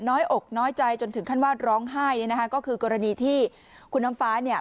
น้อยอกน้อยใจจนถึงขั้นว่าร้องไห้เนี่ยนะคะก็คือกรณีที่คุณน้ำฟ้าเนี่ย